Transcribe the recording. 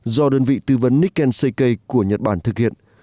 do đơn vị tư vấn niken seikei của nhật bản thực hiện